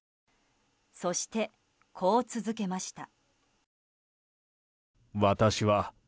そして、こう続けました。